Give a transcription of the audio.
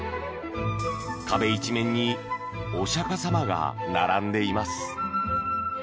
壁一面にお釈迦様が並んでいます。